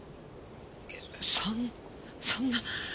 そんなそんな！